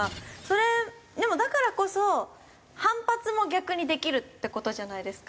でもだからこそ反発も逆にできるって事じゃないですか。